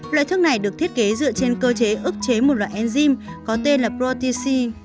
loại thuốc này được thiết kế dựa trên cơ chế ức chế một loại enzyme có tên là protein c